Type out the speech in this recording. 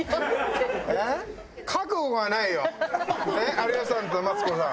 有吉さんとマツコさん。